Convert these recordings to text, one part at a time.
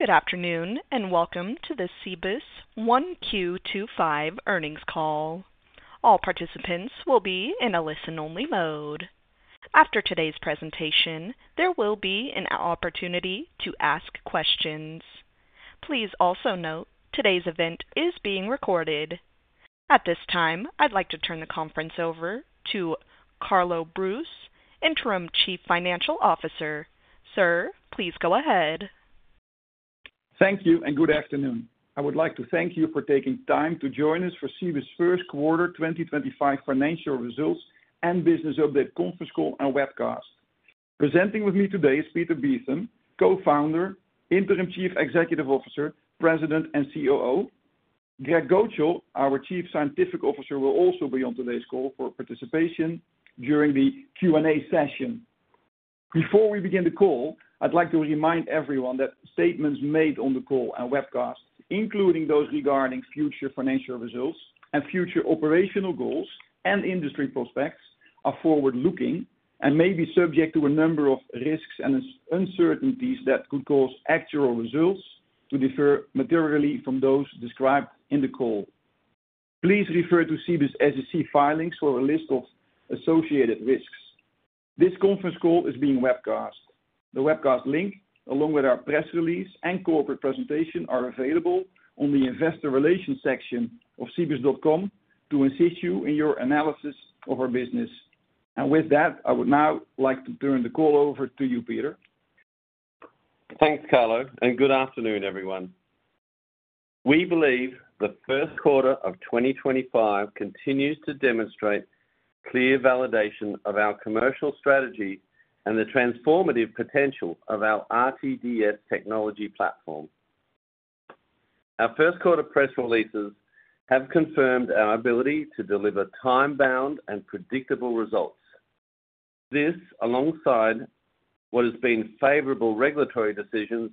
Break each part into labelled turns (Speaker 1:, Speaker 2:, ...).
Speaker 1: Good afternoon and welcome to the Cibus 1Q25 earnings call. All participants will be in a listen-only mode. After today's presentation, there will be an opportunity to ask questions. Please also note today's event is being recorded. At this time, I'd like to turn the conference over to Carlo Broos, Interim Chief Financial Officer. Sir, please go ahead.
Speaker 2: Thank you and good afternoon. I would like to thank you for taking time to join us for Cibus First Quarter 2025 Financial Results and Business Update Conference Call and Webcast. Presenting with me today is Peter Beetham, Co-founder, Interim Chief Executive Officer, President, and COO. Greg Gocal, our Chief Scientific Officer, will also be on today's call for participation during the Q&A session. Before we begin the call, I'd like to remind everyone that statements made on the call and webcast, including those regarding future financial results and future operational goals and industry prospects, are forward-looking and may be subject to a number of risks and uncertainties that could cause actual results to differ materially from those described in the call. Please refer to Cibus SEC filings for a list of associated risks. This conference call is being webcast. The webcast link, along with our press release and corporate presentation, are available on the investor relations section of cibus.com to assist you in your analysis of our business. I would now like to turn the call over to you, Peter.
Speaker 3: Thanks, Carlo, and good afternoon, everyone. We believe the first quarter of 2025 continues to demonstrate clear validation of our commercial strategy and the transformative potential of our RTDS technology platform. Our first quarter press releases have confirmed our ability to deliver time-bound and predictable results. This, alongside what has been favorable regulatory decisions,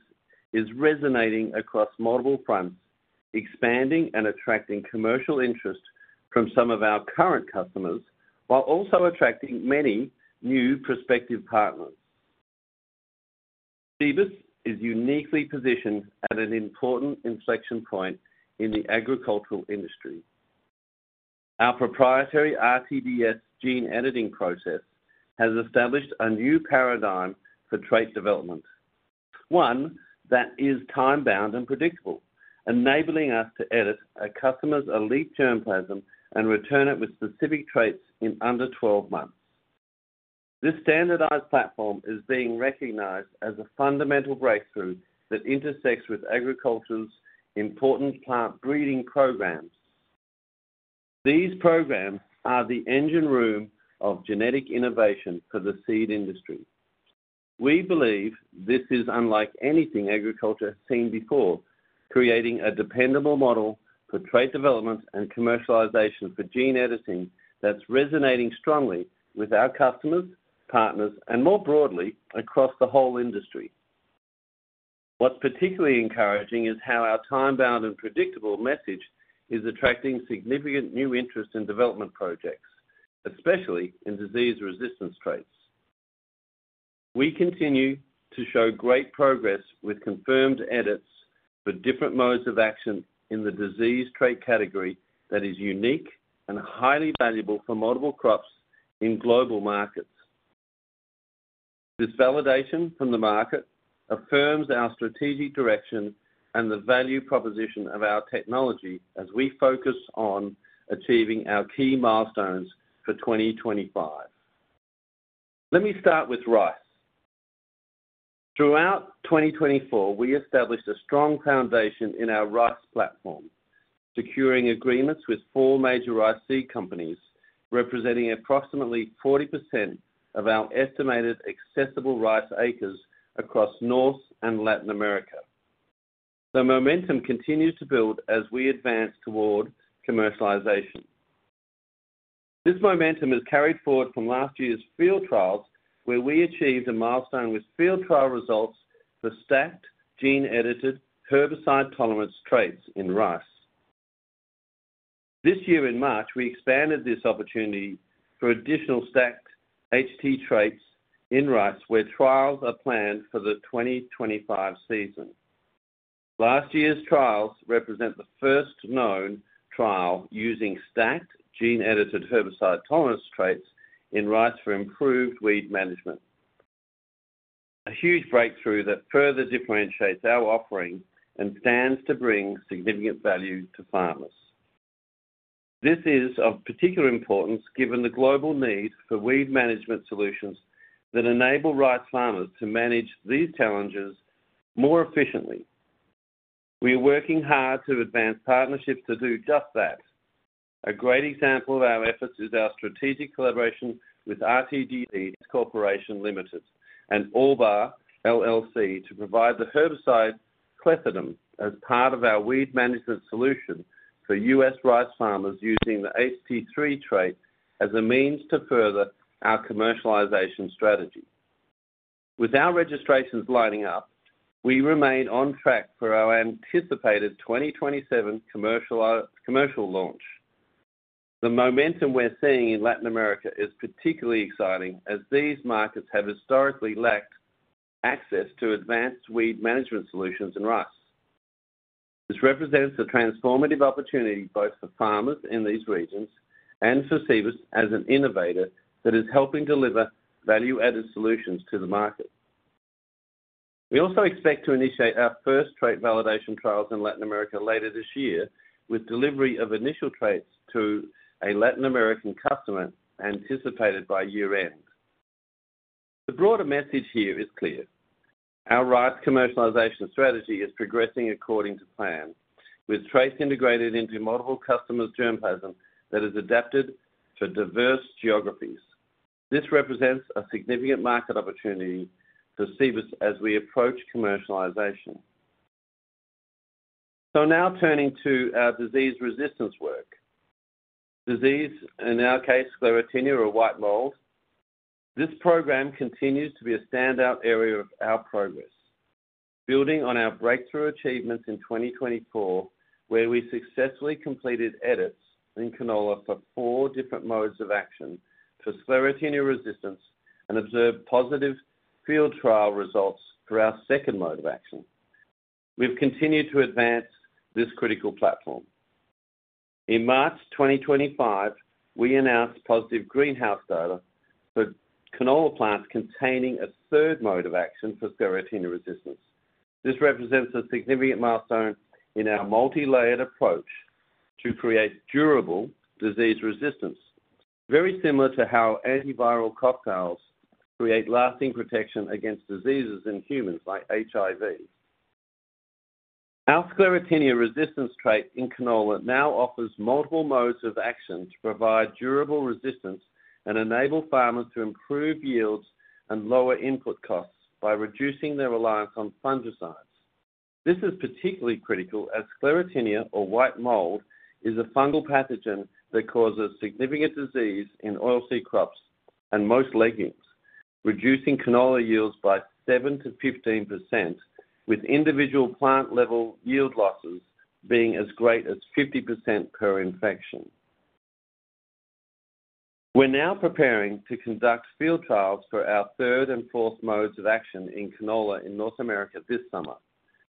Speaker 3: is resonating across multiple fronts, expanding and attracting commercial interest from some of our current customers while also attracting many new prospective partners. Cibus is uniquely positioned at an important inflection point in the agricultural industry. Our proprietary RTDS gene editing process has established a new paradigm for trait development, one that is time-bound and predictable, enabling us to edit a customer's elite germplasm and return it with specific traits in under 12 months. This standardized platform is being recognized as a fundamental breakthrough that intersects with agriculture's important plant breeding programs. These programs are the engine room of genetic innovation for the seed industry. We believe this is unlike anything agriculture has seen before, creating a dependable model for trait development and commercialization for gene editing that's resonating strongly with our customers, partners, and more broadly across the whole industry. What's particularly encouraging is how our time-bound and predictable message is attracting significant new interest in development projects, especially in disease resistance traits. We continue to show great progress with confirmed edits for different modes of action in the disease trait category that is unique and highly valuable for multiple crops in global markets. This validation from the market affirms our strategic direction and the value proposition of our technology as we focus on achieving our key milestones for 2025. Let me start with rice. Throughout 2024, we established a strong foundation in our rice platform, securing agreements with four major rice seed companies representing approximately 40% of our estimated accessible rice acres across North and Latin America. The momentum continues to build as we advance toward commercialization. This momentum is carried forward from last year's field trials, where we achieved a milestone with field trial results for stacked gene-edited herbicide tolerance traits in rice. This year, in March, we expanded this opportunity for additional stacked HT traits in rice, where trials are planned for the 2025 season. Last year's trials represent the first known trial using stacked gene-edited herbicide tolerance traits in rice for improved weed management, a huge breakthrough that further differentiates our offering and stands to bring significant value to farmers. This is of particular importance given the global need for weed management solutions that enable rice farmers to manage these challenges more efficiently. We are working hard to advance partnerships to do just that. A great example of our efforts is our strategic collaboration with RTDS Corporation Limited and Orvar to provide the herbicide Clethodim as part of our weed management solution for U.S. rice farmers using the HT3 trait as a means to further our commercialization strategy. With our registrations lining up, we remain on track for our anticipated 2027 commercial launch. The momentum we're seeing in Latin America is particularly exciting as these markets have historically lacked access to advanced weed management solutions in rice. This represents a transformative opportunity both for farmers in these regions and for Cibus as an innovator that is helping deliver value-added solutions to the market. We also expect to initiate our first trait validation trials in Latin America later this year, with delivery of initial traits to a Latin American customer anticipated by year-end. The broader message here is clear. Our rice commercialization strategy is progressing according to plan, with traits integrated into multiple customers' germplasm that is adapted for diverse geographies. This represents a significant market opportunity for Cibus as we approach commercialization. Now turning to our disease resistance work, disease, in our case, sclerotinia or white mold, this program continues to be a standout area of our progress. Building on our breakthrough achievements in 2024, where we successfully completed edits in canola for four different modes of action for sclerotinia resistance and observed positive field trial results for our second mode of action, we have continued to advance this critical platform. In March 2025, we announced positive greenhouse data for canola plants containing a third mode of action for sclerotinia resistance. This represents a significant milestone in our multi-layered approach to create durable disease resistance, very similar to how antiviral cocktails create lasting protection against diseases in humans like HIV. Our sclerotinia resistance trait in canola now offers multiple modes of action to provide durable resistance and enable farmers to improve yields and lower input costs by reducing their reliance on fungicides. This is particularly critical as sclerotinia or white mold is a fungal pathogen that causes significant disease in oilseed crops and most legumes, reducing canola yields by 7-15%, with individual plant-level yield losses being as great as 50% per infection. We're now preparing to conduct field trials for our third and fourth modes of action in canola in North America this summer,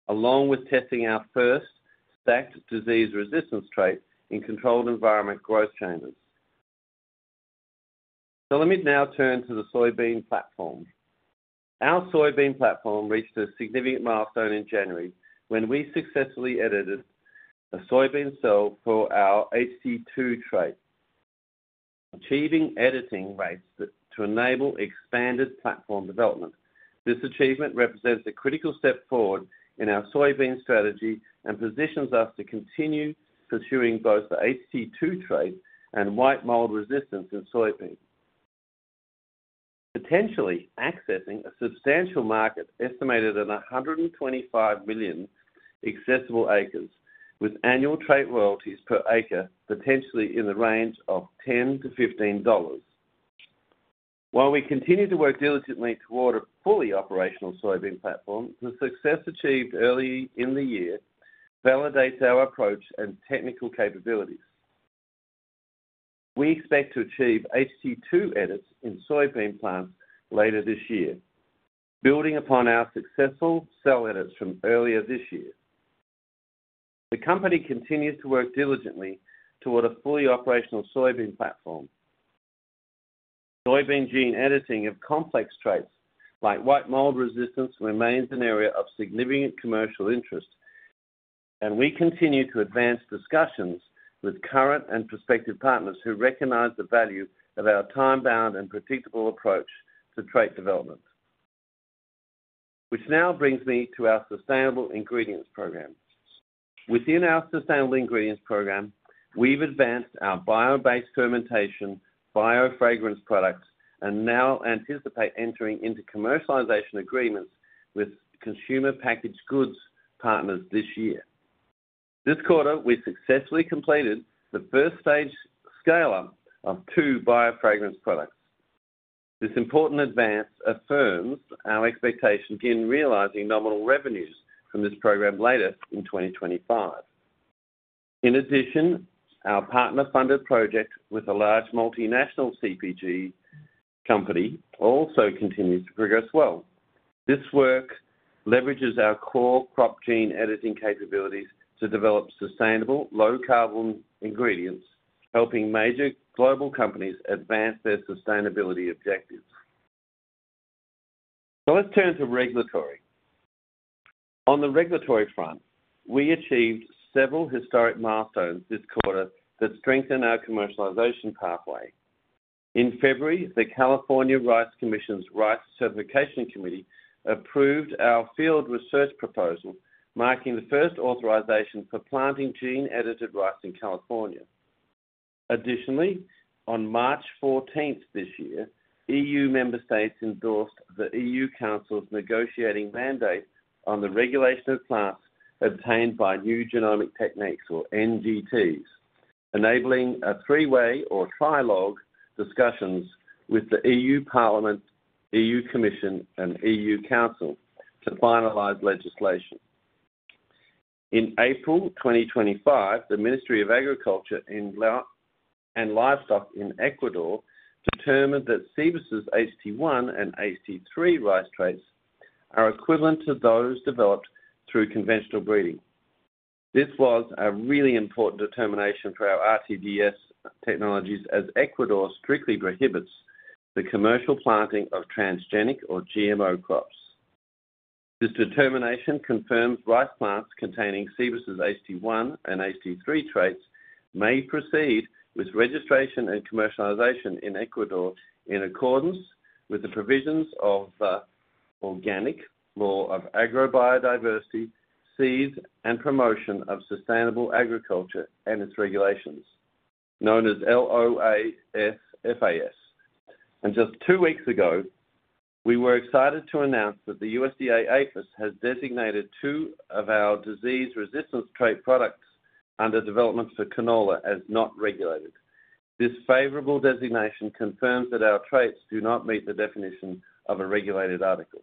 Speaker 3: along with testing our first stacked disease resistance trait in controlled environment growth chains. Let me now turn to the soybean platform. Our soybean platform reached a significant milestone in January when we successfully edited a soybean cell for our HT2 trait, achieving editing rates to enable expanded platform development. This achievement represents a critical step forward in our soybean strategy and positions us to continue pursuing both the HT2 trait and white mold resistance in soybean, potentially accessing a substantial market estimated at 125 million accessible acres, with annual trait royalties per acre potentially in the range of $10-$15. While we continue to work diligently toward a fully operational soybean platform, the success achieved early in the year validates our approach and technical capabilities. We expect to achieve HT2 edits in soybean plants later this year, building upon our successful cell edits from earlier this year. The company continues to work diligently toward a fully operational soybean platform. Soybean gene editing of complex traits like white mold resistance remains an area of significant commercial interest, and we continue to advance discussions with current and prospective partners who recognize the value of our time-bound and predictable approach to trait development. This now brings me to our sustainable ingredients program. Within our sustainable ingredients program, we've advanced our bio-based fermentation bio fragrance products and now anticipate entering into commercialization agreements with consumer packaged goods partners this year. This quarter, we successfully completed the first stage scale-up of two bio fragrance products. This important advance affirms our expectation in realizing nominal revenues from this program later in 2025. In addition, our partner-funded project with a large multinational CPG company also continues to progress well. This work leverages our core crop gene editing capabilities to develop sustainable low-carbon ingredients, helping major global companies advance their sustainability objectives. Let's turn to regulatory. On the regulatory front, we achieved several historic milestones this quarter that strengthen our commercialization pathway. In February, the California Rice Commission's Rice Certification Committee approved our field research proposal, marking the first authorization for planting gene-edited rice in California. Additionally, on March 14th this year, EU member states endorsed the EU Council's negotiating mandate on the regulation of plants obtained by new genomic techniques, or NGTs, enabling a three-way or trilog discussions with the EU Parliament, EU Commission, and EU Council to finalize legislation. In April 2025, the Ministry of Agriculture and Livestock in Ecuador determined that Cibus's HT1 and HT3 rice traits are equivalent to those developed through conventional breeding. This was a really important determination for our RTDS technologies as Ecuador strictly prohibits the commercial planting of transgenic or GMO crops. This determination confirms rice plants containing Cibus's HT1 and HT3 traits may proceed with registration and commercialization in Ecuador in accordance with the provisions of the Organic Law of Agrobiodiversity, Seeds and Promotion of Sustainable Agriculture and its regulations, known as LOASFAS. Just two weeks ago, we were excited to announce that the USDA APHIS has designated two of our disease resistance trait products under development for canola as not regulated. This favorable designation confirms that our traits do not meet the definition of a regulated article,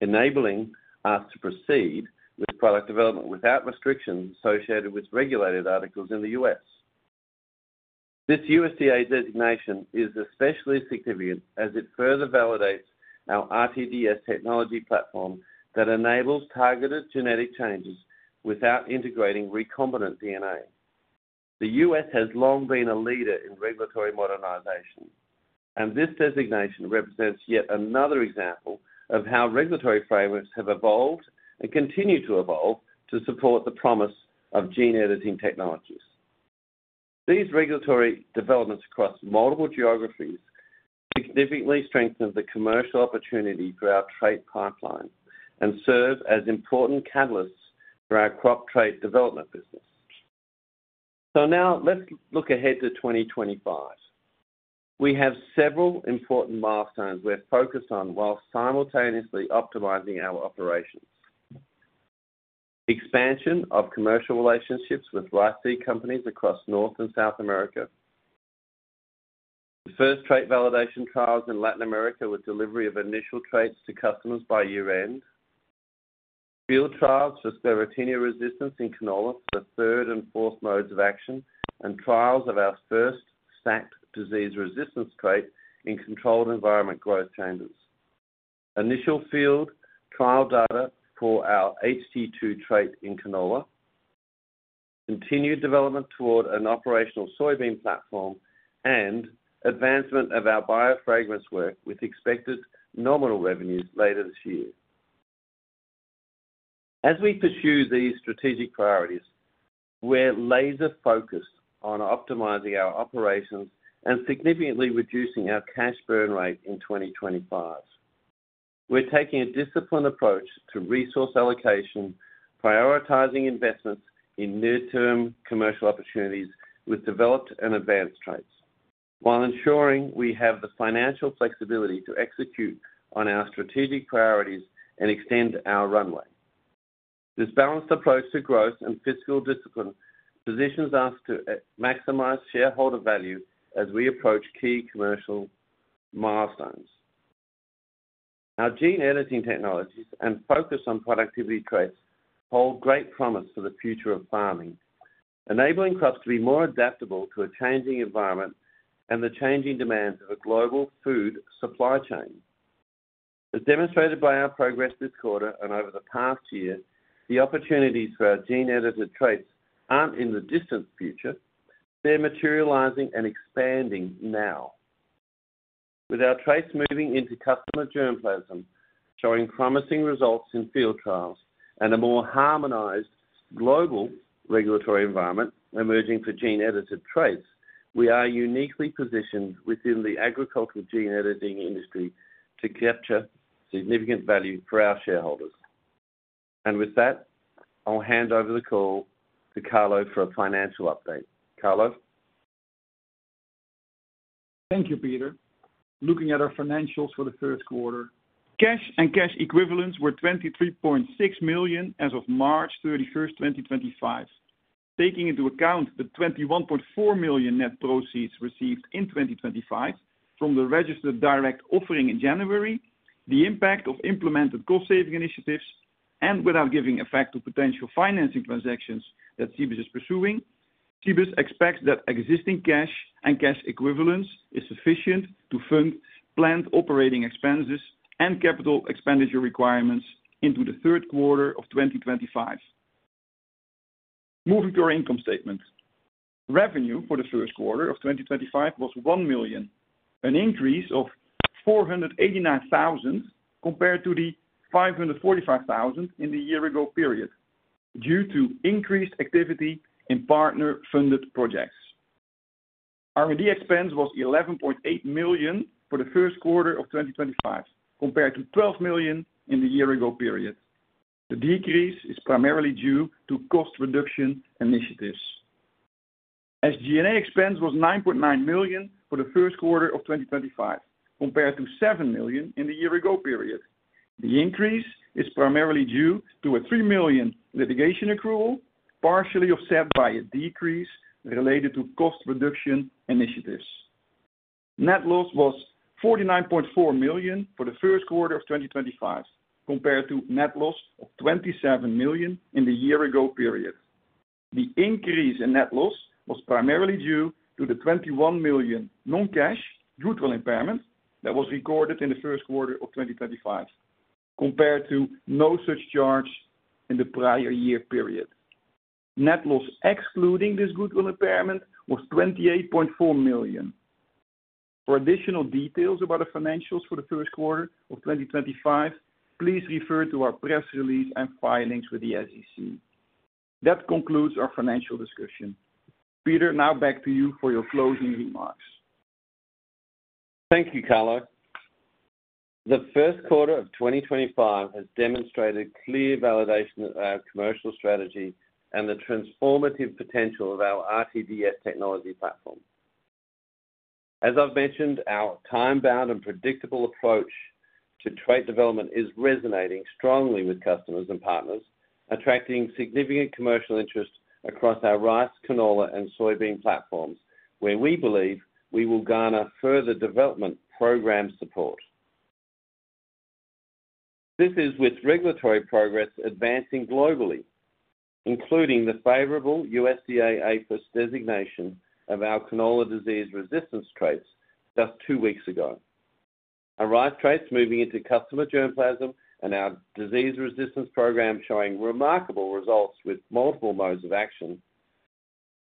Speaker 3: enabling us to proceed with product development without restrictions associated with regulated articles in the U.S. This USDA designation is especially significant as it further validates our RTDS technology platform that enables targeted genetic changes without integrating recombinant DNA. The U.S. has long been a leader in regulatory modernization, and this designation represents yet another example of how regulatory frameworks have evolved and continue to evolve to support the promise of gene editing technologies. These regulatory developments across multiple geographies significantly strengthen the commercial opportunity for our trait pipeline and serve as important catalysts for our crop trait development business. Now let's look ahead to 2025. We have several important milestones we're focused on while simultaneously optimizing our operations: expansion of commercial relationships with rice seed companies across North and South America, the first trait validation trials in Latin America with delivery of initial traits to customers by year-end, field trials for sclerotinia resistance in canola for the third and fourth modes of action, and trials of our first stacked disease resistance trait in controlled environment growth chambers, initial field trial data for our HT2 trait in canola, continued development toward an operational soybean platform, and advancement of our bio fragrance work with expected nominal revenues later this year. As we pursue these strategic priorities, we're laser-focused on optimizing our operations and significantly reducing our cash burn rate in 2025. We're taking a disciplined approach to resource allocation, prioritizing investments in near-term commercial opportunities with developed and advanced traits, while ensuring we have the financial flexibility to execute on our strategic priorities and extend our runway. This balanced approach to growth and fiscal discipline positions us to maximize shareholder value as we approach key commercial milestones. Our gene editing technologies and focus on productivity traits hold great promise for the future of farming, enabling crops to be more adaptable to a changing environment and the changing demands of a global food supply chain. As demonstrated by our progress this quarter and over the past year, the opportunities for our gene-edited traits aren't in the distant future, but they're materializing and expanding now. With our traits moving into customer germplasm, showing promising results in field trials, and a more harmonized global regulatory environment emerging for gene-edited traits, we are uniquely positioned within the agricultural gene editing industry to capture significant value for our shareholders. With that, I'll hand over the call to Carlo for a financial update. Carlo.
Speaker 2: Thank you, Peter. Looking at our financials for the first quarter, cash and cash equivalents were $23.6 million as of March 31, 2025. Taking into account the $21.4 million net proceeds received in 2025 from the registered direct offering in January, the impact of implemented cost-saving initiatives, and without giving effect to potential financing transactions that Cibus is pursuing, Cibus expects that existing cash and cash equivalents are sufficient to fund planned operating expenses and capital expenditure requirements into the third quarter of 2025. Moving to our income statement, revenue for the first quarter of 2025 was $1 million, an increase of $489,000 compared to the $545,000 in the year-ago period due to increased activity in partner-funded projects. R&D expense was $11.8 million for the first quarter of 2025, compared to $12 million in the year-ago period. The decrease is primarily due to cost-reduction initiatives. SG&A expense was $9.9 million for the first quarter of 2025, compared to $7 million in the year-ago period. The increase is primarily due to a $3 million litigation accrual, partially offset by a decrease related to cost-reduction initiatives. Net loss was $49.4 million for the first quarter of 2025, compared to net loss of $27 million in the year-ago period. The increase in net loss was primarily due to the $21 million non-cash goodwill impairment that was recorded in the first quarter of 2025, compared to no such charge in the prior year period. Net loss excluding this goodwill impairment was $28.4 million. For additional details about the financials for the first quarter of 2025, please refer to our press release and filings with the SEC. That concludes our financial discussion. Peter, now back to you for your closing remarks.
Speaker 3: Thank you, Carlo. The first quarter of 2025 has demonstrated clear validation of our commercial strategy and the transformative potential of our RTDS technology platform. As I've mentioned, our time-bound and predictable approach to trait development is resonating strongly with customers and partners, attracting significant commercial interest across our rice, canola, and soybean platforms, where we believe we will garner further development program support. This is with regulatory progress advancing globally, including the favorable USDA APHIS designation of our canola disease resistance traits just two weeks ago. Our rice traits moving into customer germplasm and our disease resistance program showing remarkable results with multiple modes of action,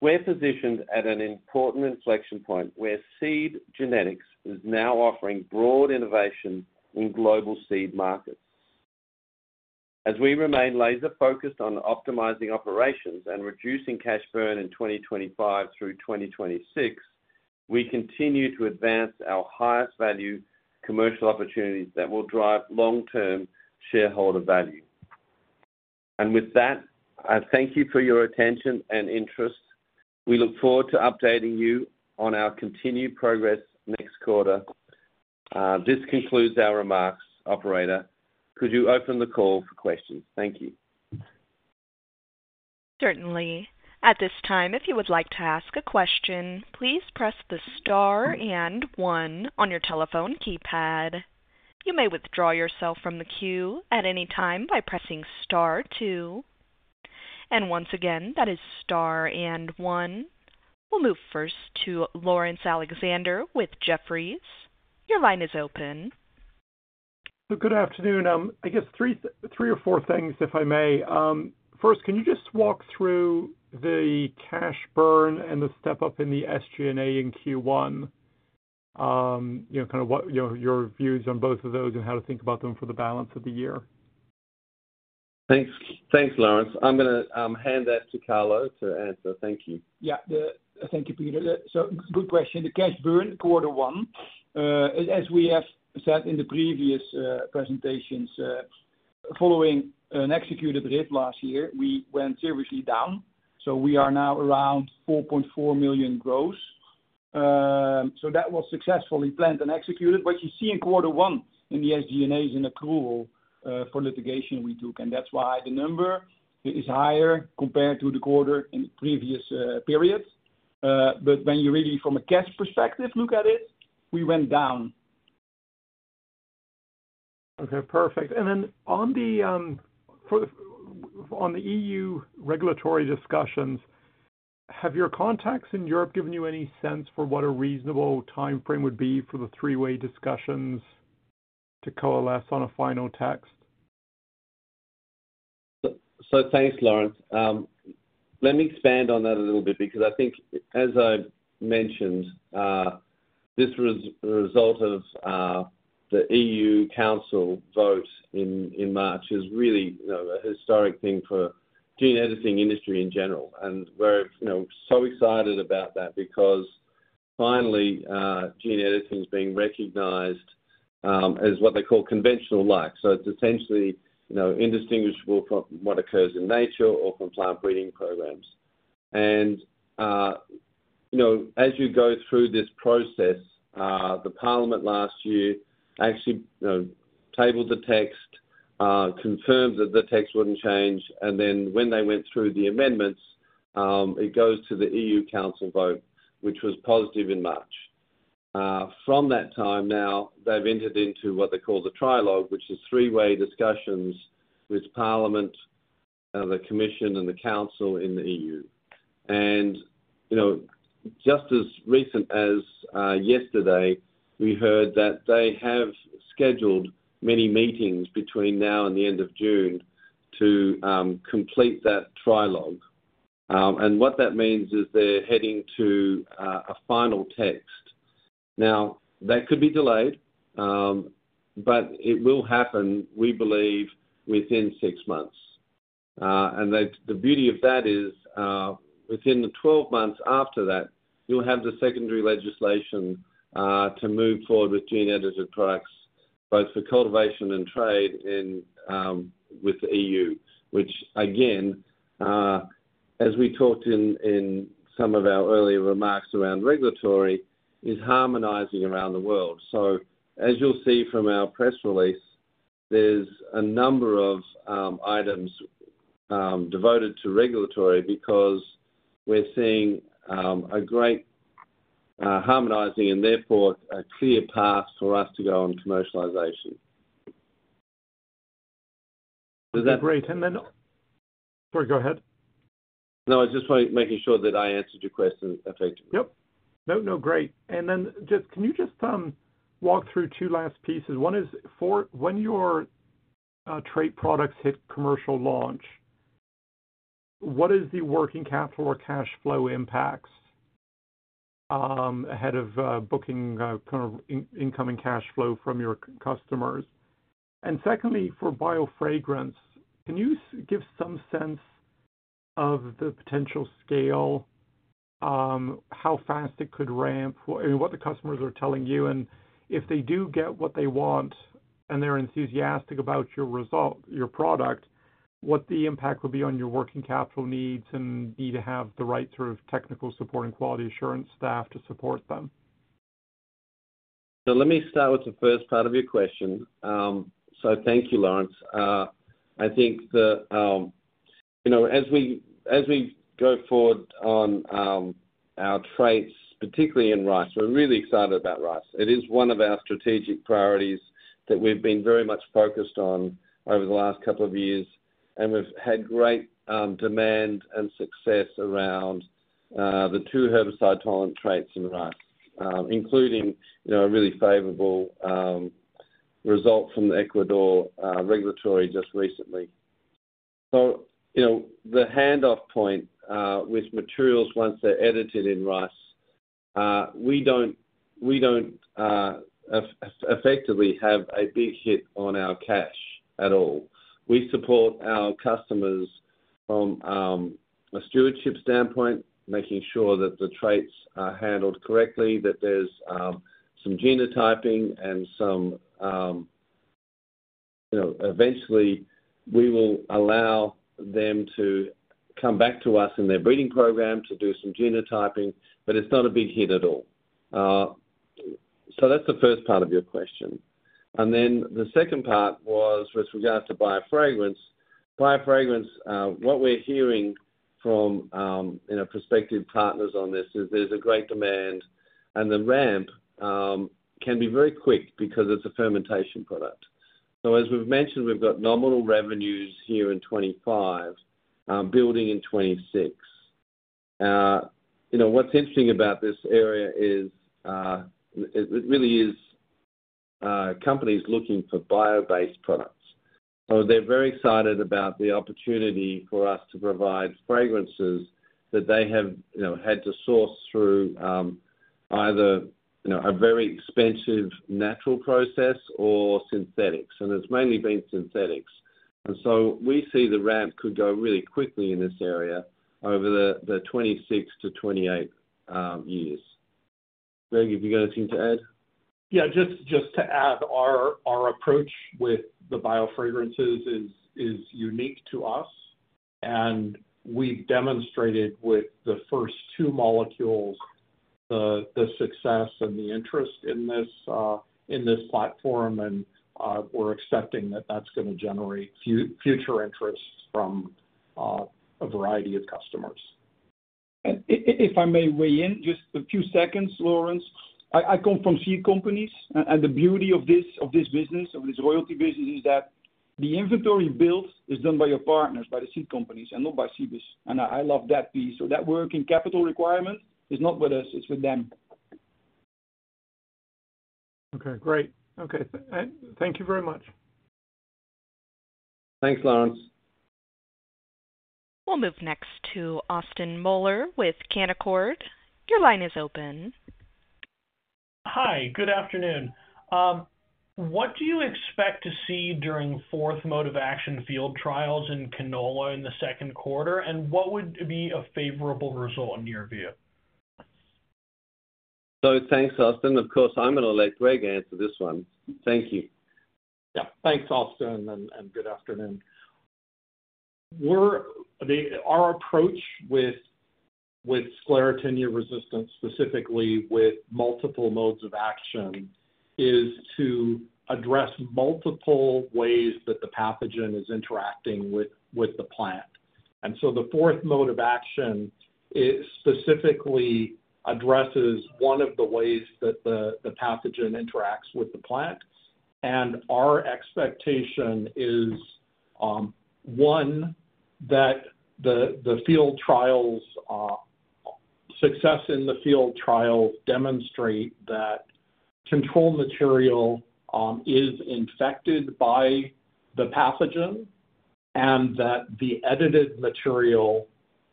Speaker 3: we're positioned at an important inflection point where seed genetics is now offering broad innovation in global seed markets. As we remain laser-focused on optimizing operations and reducing cash burn in 2025 through 2026, we continue to advance our highest-value commercial opportunities that will drive long-term shareholder value. I thank you for your attention and interest. We look forward to updating you on our continued progress next quarter. This concludes our remarks. Operator, could you open the call for questions? Thank you. Certainly. At this time, if you would like to ask a question, please press the star and one on your telephone keypad.
Speaker 1: You may withdraw yourself from the queue at any time by pressing star two. Once again, that is star and one. We'll move first to Lawrence Alexander with Jefferies. Your line is open.
Speaker 4: Good afternoon. I guess three or four things, if I may. First, can you just walk through the cash burn and the step-up in the SG&A in Q1? Kind of your views on both of those and how to think about them for the balance of the year.
Speaker 3: Thanks, Lawrence. I'm going to hand that to Carlo to answer. Thank you.
Speaker 2: Yeah. Thank you, Peter. Good question. The cash burn. Quarter one. As we have said in the previous presentations, following an executed RIT last year, we went seriously down. We are now around $4.4 million gross. That was successfully planned and executed. What you see in quarter one in the SG&A is an accrual for litigation we took. That is why the number is higher compared to the quarter in the previous period. When you really from a cash perspective look at it, we went down.
Speaker 4: Okay. Perfect. On the EU regulatory discussions, have your contacts in Europe given you any sense for what a reasonable timeframe would be for the three-way discussions to coalesce on a final text?
Speaker 3: Thanks, Lawrence. Let me expand on that a little bit because I think, as I mentioned, this result of the EU Council vote in March is really a historic thing for the gene editing industry in general. We are so excited about that because finally, gene editing is being recognized as what they call conventional-like. It is essentially indistinguishable from what occurs in nature or from plant breeding programs. As you go through this process, the Parliament last year actually tabled the text, confirmed that the text would not change. When they went through the amendments, it goes to the EU Council vote, which was positive in March. From that time, they have entered into what they call the trilogue, which is three-way discussions with Parliament, the Commission, and the Council in the EU. Just as recent as yesterday, we heard that they have scheduled many meetings between now and the end of June to complete that trilogue. What that means is they are heading to a final text. That could be delayed, but it will happen, we believe, within six months. The beauty of that is within the 12 months after that, you'll have the secondary legislation to move forward with gene-edited products, both for cultivation and trade with the EU, which, again, as we talked in some of our earlier remarks around regulatory, is harmonizing around the world. As you'll see from our press release, there's a number of items devoted to regulatory because we're seeing a great harmonizing and therefore a clear path for us to go on commercialization.
Speaker 4: Great. Sorry, go ahead.
Speaker 3: No, I just wanted to make sure that I answered your question effectively.
Speaker 4: Yep. No, no. Great. Can you just walk through two last pieces? One is for when your trait products hit commercial launch, what is the working capital or cash flow impacts ahead of booking kind of incoming cash flow from your customers? Secondly, for bio fragrance, can you give some sense of the potential scale, how fast it could ramp, what the customers are telling you, and if they do get what they want and they're enthusiastic about your product, what the impact would be on your working capital needs and need to have the right sort of technical support and quality assurance staff to support them?
Speaker 3: Let me start with the first part of your question. Thank you, Lawrence. I think that as we go forward on our traits, particularly in rice, we're really excited about rice. It is one of our strategic priorities that we've been very much focused on over the last couple of years. We've had great demand and success around the two herbicide tolerant traits in rice, including a really favorable result from the Ecuador regulatory just recently. The handoff point with materials once they're edited in rice, we do not effectively have a big hit on our cash at all. We support our customers from a stewardship standpoint, making sure that the traits are handled correctly, that there is some genotyping and some eventually we will allow them to come back to us in their breeding program to do some genotyping, but it is not a big hit at all. That is the first part of your question. The second part was with regards to bio fragrance. Bio fragrance, what we are hearing from prospective partners on this is there is a great demand, and the ramp can be very quick because it is a fermentation product. As we have mentioned, we have got nominal revenues here in 2025, building in 2026. What is interesting about this area is it really is companies looking for bio-based products. They are very excited about the opportunity for us to provide fragrances that they have had to source through either a very expensive natural process or synthetics. It has mainly been synthetics. We see the ramp could go really quickly in this area over the 2026 to 2028 years. Greg, if you have got anything to add?
Speaker 5: Yeah. Just to add, our approach with the bio fragrances is unique to us. We have demonstrated with the first two molecules the success and the interest in this platform. We are expecting that is going to generate future interest from a variety of customers. If I may weigh in just a few seconds, Lawrence. I come from seed companies. The beauty of this business, of this royalty business, is that the inventory build is done by your partners, by the seed companies, and not by Cibus. I love that piece. That working capital requirement is not with us. It's with them.
Speaker 4: Okay. Great. Okay. Thank you very much.
Speaker 3: Thanks, Lawrence.
Speaker 1: We'll move next to Austin Moller with Canaccord. Your line is open.
Speaker 6: Hi. Good afternoon. What do you expect to see during fourth mode of action field trials in canola in the second quarter? What would be a favorable result in your view?
Speaker 3: Thanks, Austin. Of course, I'm going to let Greg answer this one. Thank you.
Speaker 5: Yeah. Thanks, Austin. Good afternoon. Our approach with sclerotinia resistance, specifically with multiple modes of action, is to address multiple ways that the pathogen is interacting with the plant. The fourth mode of action specifically addresses one of the ways that the pathogen interacts with the plant. Our expectation is, one, that the field trials' success in the field trials demonstrate that control material is infected by the pathogen and that the edited material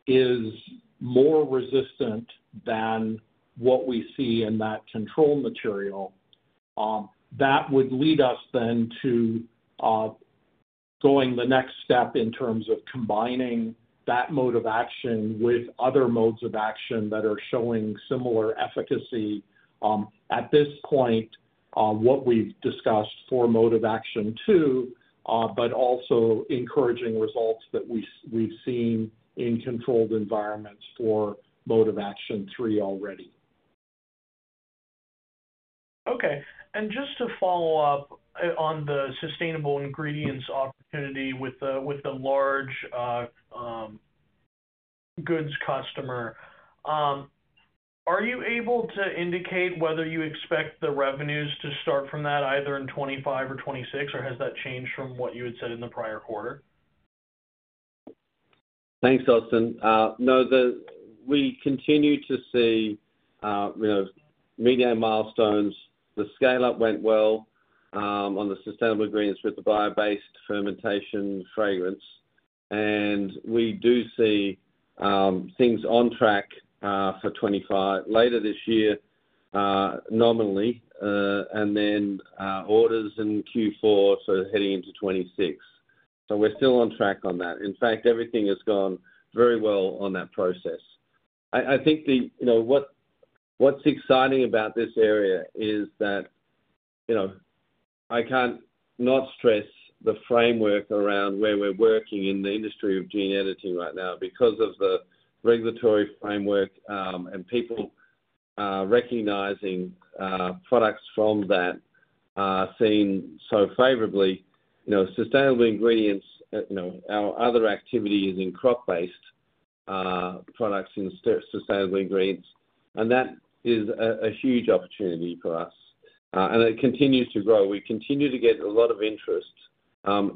Speaker 5: is more resistant than what we see in that control material. That would lead us then to going the next step in terms of combining that mode of action with other modes of action that are showing similar efficacy at this point, what we have discussed for mode of action two, but also encouraging results that we have seen in controlled environments for mode of action three already.
Speaker 6: Okay. Just to follow up on the sustainable ingredients opportunity with the large goods customer, are you able to indicate whether you expect the revenues to start from that either in 2025 or 2026, or has that changed from what you had said in the prior quarter?
Speaker 3: Thanks, Austin. No, we continue to see medium milestones. The scale-up went well on the sustainable ingredients with the bio-based fermentation fragrance. We do see things on track for 2025 later this year, nominally, and then orders in Q4 for heading into 2026. We are still on track on that. In fact, everything has gone very well on that process. I think what is exciting about this area is that I cannot not stress the framework around where we are working in the industry of gene editing right now because of the regulatory framework and people recognizing products from that seen so favorably. Sustainable ingredients, our other activity is in crop-based products in sustainable ingredients. That is a huge opportunity for us. It continues to grow. We continue to get a lot of interest,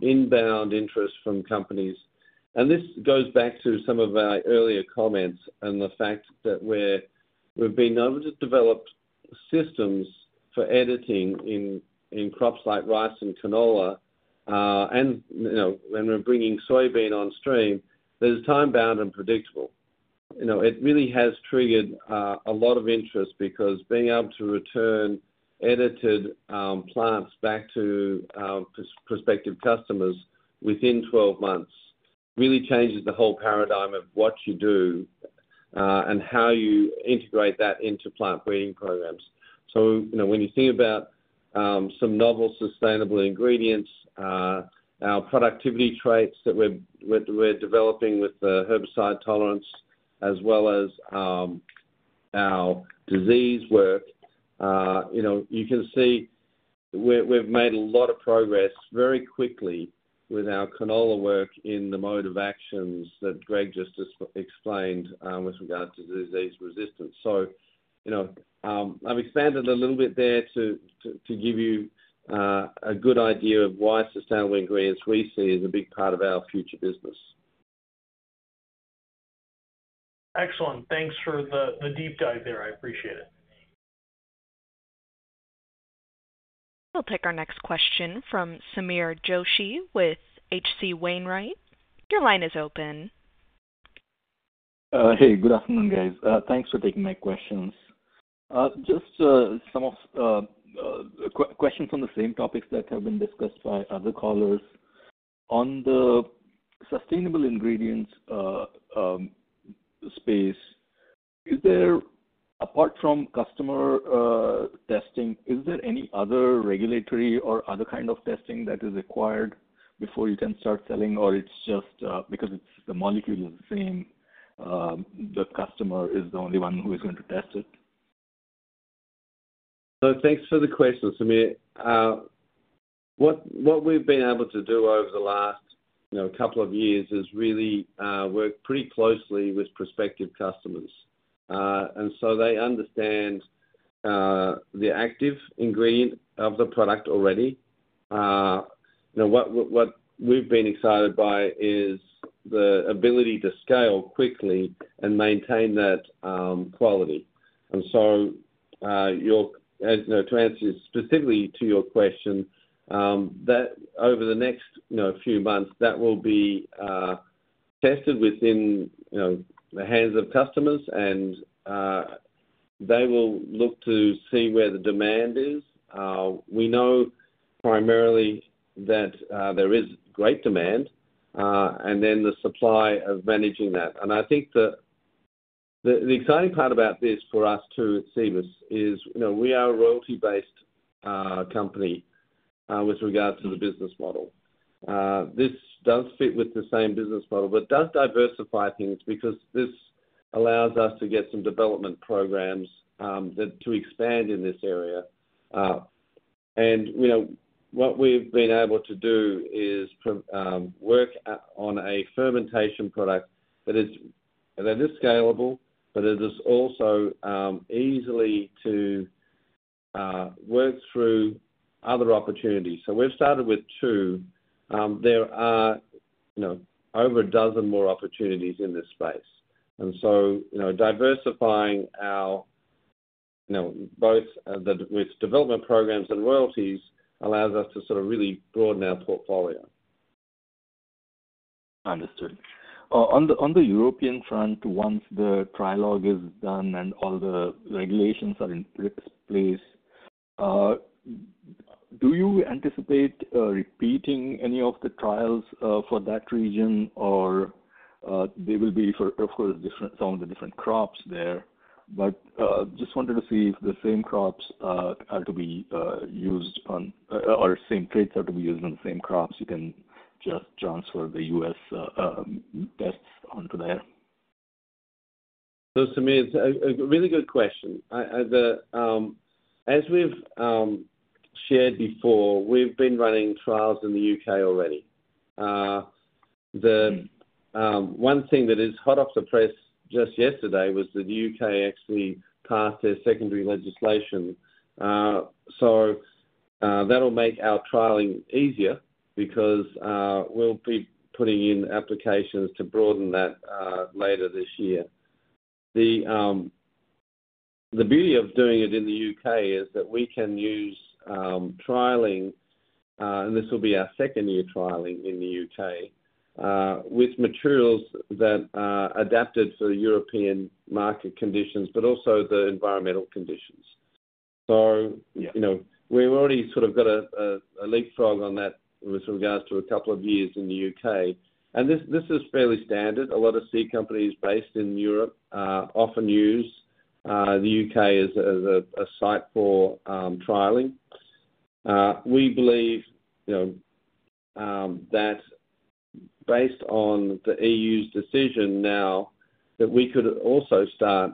Speaker 3: inbound interest from companies. This goes back to some of our earlier comments and the fact that we've been able to develop systems for editing in crops like rice and canola. When we're bringing soybean on stream, it's time-bound and predictable. It really has triggered a lot of interest because being able to return edited plants back to prospective customers within 12 months really changes the whole paradigm of what you do and how you integrate that into plant breeding programs. When you think about some novel sustainable ingredients, our productivity traits that we're developing with the herbicide tolerance as well as our disease work, you can see we've made a lot of progress very quickly with our canola work in the modes of action that Greg just explained with regards to disease resistance. I've expanded a little bit there to give you a good idea of why sustainable ingredients we see is a big part of our future business.
Speaker 6: Excellent. Thanks for the deep dive there. I appreciate it.
Speaker 1: We'll take our next question from Samir Joshi with H.C. Wainwright. Your line is open.
Speaker 7: Hey, good afternoon, guys. Thanks for taking my questions. Just some questions on the same topics that have been discussed by other callers. On the sustainable ingredients space, apart from customer testing, is there any other regulatory or other kind of testing that is required before you can start selling, or it's just because the molecule is the same, the customer is the only one who is going to test it?
Speaker 3: Thanks for the question, Samir. What we've been able to do over the last couple of years is really work pretty closely with prospective customers. They understand the active ingredient of the product already. What we've been excited by is the ability to scale quickly and maintain that quality. To answer specifically to your question, over the next few months, that will be tested within the hands of customers, and they will look to see where the demand is. We know primarily that there is great demand and then the supply of managing that. I think the exciting part about this for us too at Cibus is we are a royalty-based company with regards to the business model. This does fit with the same business model, but it does diversify things because this allows us to get some development programs to expand in this area. What we've been able to do is work on a fermentation product that is scalable, but it is also easy to work through other opportunities. We've started with two. There are over a dozen more opportunities in this space. Diversifying both with development programs and royalties allows us to really broaden our portfolio.
Speaker 7: Understood. On the European front, once the trialog is done and all the regulations are in place, do you anticipate repeating any of the trials for that region, or there will be, of course, some of the different crops there? I just wanted to see if the same crops are to be used on or same traits are to be used on the same crops. You can just transfer the U.S. tests onto there.
Speaker 3: Samir, it's a really good question. As we've shared before, we've been running trials in the U.K. already. One thing that is hot off the press just yesterday was that the U.K. actually passed their secondary legislation. That will make our trialing easier because we'll be putting in applications to broaden that later this year. The beauty of doing it in the U.K. is that we can use trialing, and this will be our second year trialing in the U.K., with materials that are adapted for European market conditions, but also the environmental conditions. We've already sort of got a leapfrog on that with regards to a couple of years in the U.K. This is fairly standard. A lot of seed companies based in Europe often use the U.K. as a site for trialing. We believe that based on the EU's decision now, we could also start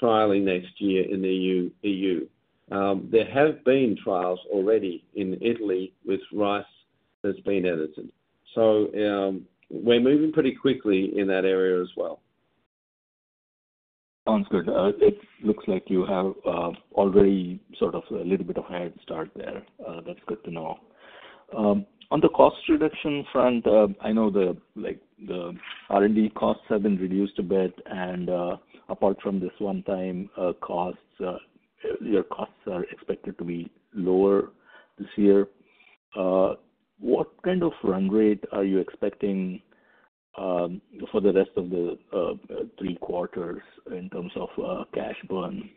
Speaker 3: trialing next year in the EU. There have been trials already in Italy with rice that's been edited. We are moving pretty quickly in that area as well.
Speaker 7: Sounds good. It looks like you have already sort of a little bit of a head start there. That's good to know. On the cost reduction front, I know the R&D costs have been reduced a bit. Apart from this one-time cost, your costs are expected to be lower this year. What kind of run rate are you expecting for the rest of the three quarters in terms of cash burn?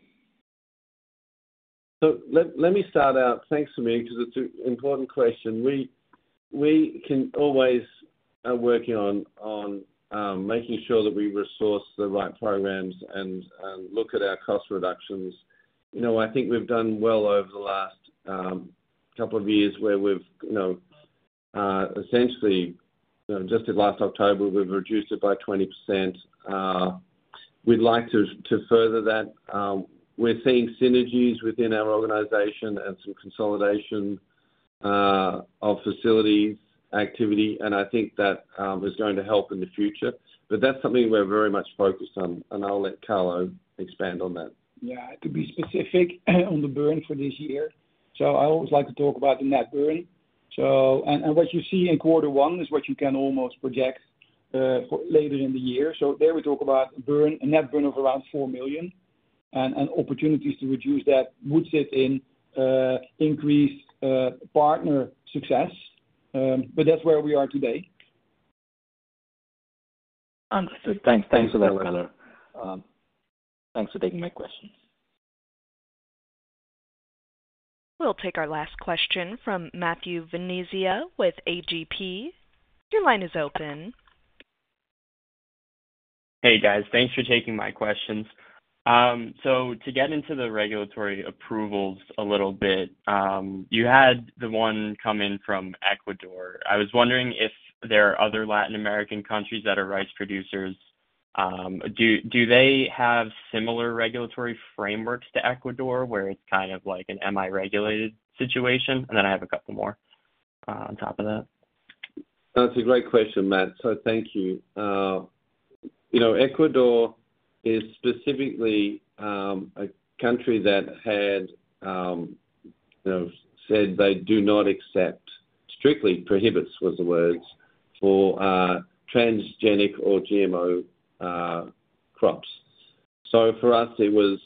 Speaker 3: Let me start out. Thanks, Samir, because it's an important question. We can always work on making sure that we resource the right programs and look at our cost reductions. I think we have done well over the last couple of years where essentially just last October, we reduced it by 20%. We'd like to further that. We're seeing synergies within our organization and some consolidation of facilities activity. I think that is going to help in the future. That is something we're very much focused on. I'll let Carlo expand on that.
Speaker 2: Yeah. To be specific on the burn for this year, I always like to talk about the net burn. What you see in quarter one is what you can almost project later in the year. There we talk about a net burn of around $4 million. Opportunities to reduce that would sit in increased partner success. That is where we are today.
Speaker 7: Understood. Thanks for that, Carlo. Thanks for taking my questions.
Speaker 1: We'll take our last question from Matthew Venezia with AGP. Your line is open. Hey, guys. Thanks for taking my questions.
Speaker 8: To get into the regulatory approvals a little bit, you had the one come in from Ecuador. I was wondering if there are other Latin American countries that are rice producers. Do they have similar regulatory frameworks to Ecuador where it is kind of like an MI regulated situation? I have a couple more on top of that.
Speaker 3: That is a great question, Matt. Thank you. Ecuador is specifically a country that had said they do not accept, strictly prohibits was the word, for transgenic or GMO crops. For us, it was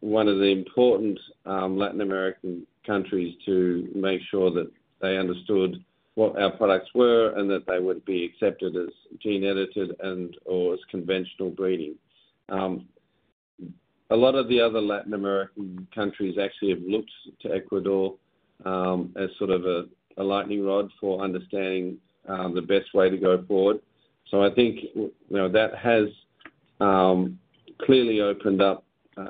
Speaker 3: one of the important Latin American countries to make sure that they understood what our products were and that they would be accepted as gene edited and/or as conventional breeding. A lot of the other Latin American countries actually have looked to Ecuador as sort of a lightning rod for understanding the best way to go forward. I think that has clearly opened up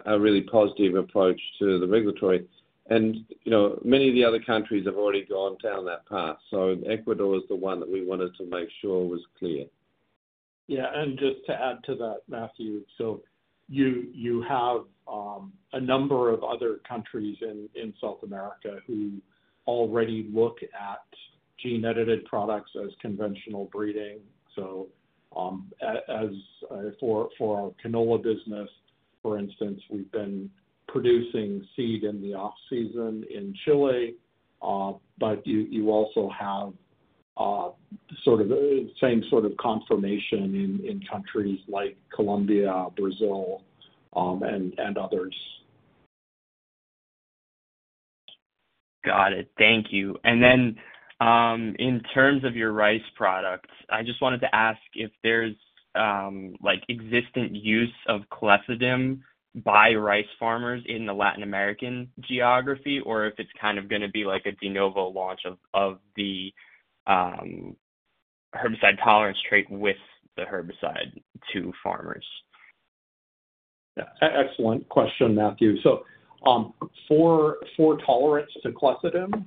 Speaker 3: a really positive approach to the regulatory. Many of the other countries have already gone down that path. Ecuador is the one that we wanted to make sure was clear.
Speaker 2: Yeah. Just to add to that, Matthew, you have a number of other countries in South America who already look at gene edited products as conventional breeding. For our canola business, for instance, we've been producing seed in the off-season in Chile. You also have sort of the same sort of confirmation in countries like Colombia, Brazil, and others. Got it. Thank you.
Speaker 8: Then in terms of your rice products, I just wanted to ask if there's existent use of Clethodim by rice farmers in the Latin American geography, or if it's kind of going to be like a de novo launch of the herbicide tolerance trait with the herbicide to farmers.
Speaker 3: Excellent question, Matthew. For tolerance to Clethodim,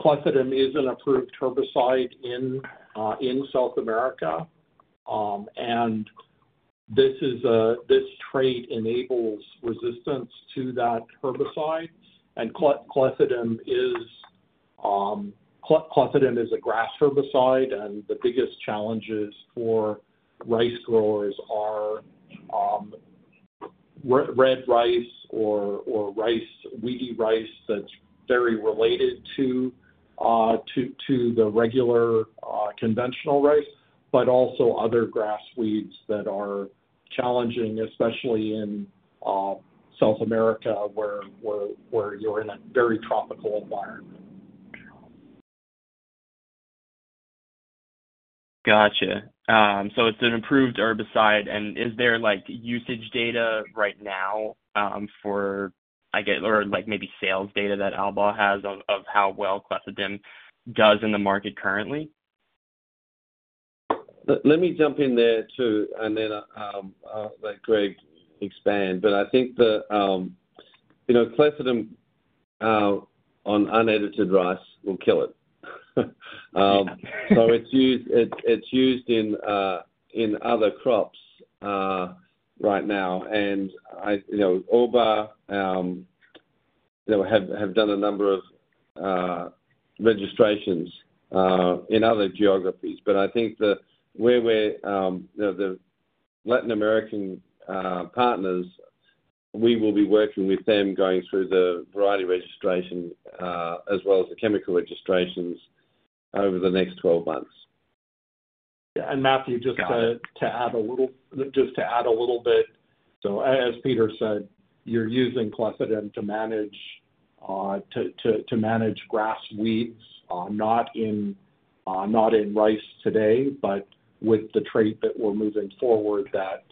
Speaker 3: Clethodim is an approved herbicide in South America. This trait enables resistance to that herbicide. Clethodim is a grass herbicide. The biggest challenges for rice growers are red rice or weedy rice that's very related to the regular conventional rice, but also other grass weeds that are challenging, especially in South America where you're in a very tropical environment.
Speaker 8: Gotcha. It's an approved herbicide. Is there usage data right now for, I guess, or maybe sales data that Allbar has of how well Clethodim does in the market currently?
Speaker 3: Let me jump in there too, and then let Greg expand. I think the Clethodim on unedited rice will kill it. It is used in other crops right now. Allbar have done a number of registrations in other geographies. I think with the Latin American partners, we will be working with them going through the variety registration as well as the chemical registrations over the next 12 months.
Speaker 2: Yeah. And Matthew, just to add a little, just to add a little bit. As Peter said, you're using Clethodim to manage grass weeds, not in rice today, but with the trait that we're moving forward that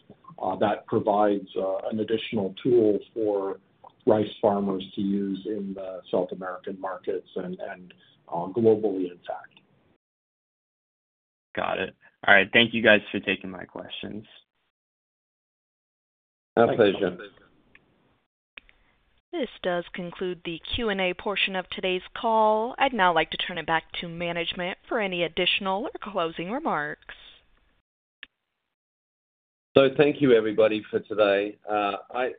Speaker 2: provides an additional tool for rice farmers to use in the South American markets and globally, in fact.
Speaker 8: Got it. All right. Thank you guys for taking my questions.
Speaker 3: My pleasure.
Speaker 1: This does conclude the Q&A portion of today's call. I'd now like to turn it back to management for any additional or closing remarks.
Speaker 3: Thank you, everybody, for today. I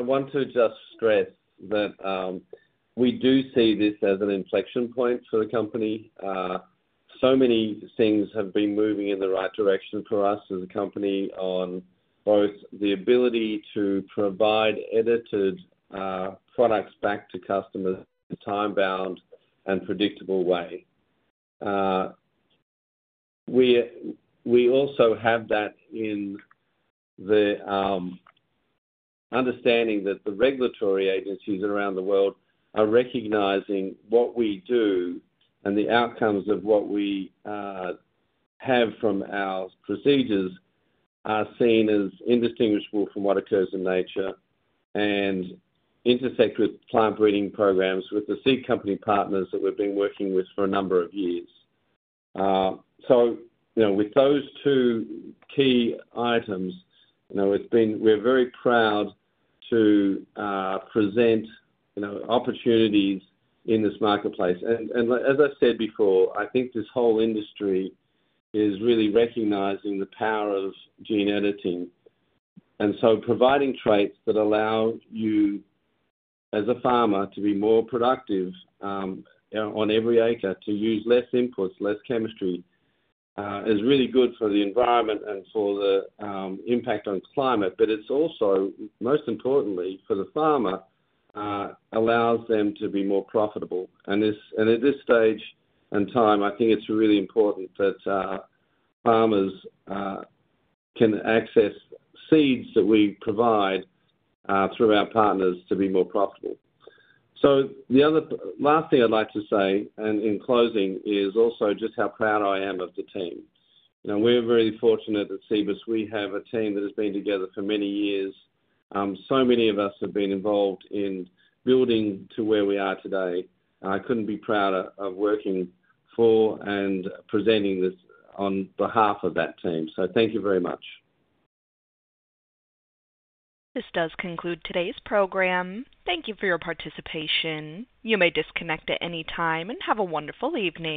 Speaker 3: want to just stress that we do see this as an inflection point for the company. So many things have been moving in the right direction for us as a company on both the ability to provide edited products back to customers in a time-bound and predictable way. We also have that in the understanding that the regulatory agencies around the world are recognizing what we do and the outcomes of what we have from our procedures are seen as indistinguishable from what occurs in nature and intersect with plant breeding programs with the seed company partners that we've been working with for a number of years. With those two key items, we're very proud to present opportunities in this marketplace. As I said before, I think this whole industry is really recognizing the power of gene editing. Providing traits that allow you as a farmer to be more productive on every acre, to use less inputs, less chemistry, is really good for the environment and for the impact on climate. Most importantly, for the farmer, it allows them to be more profitable. At this stage in time, I think it's really important that farmers can access seeds that we provide through our partners to be more profitable. The last thing I'd like to say in closing is also just how proud I am of the team. We're very fortunate at Cibus. We have a team that has been together for many years. Many of us have been involved in building to where we are today. I couldn't be prouder of working for and presenting this on behalf of that team. Thank you very much.
Speaker 1: This does conclude today's program. Thank you for your participation. You may disconnect at any time and have a wonderful evening.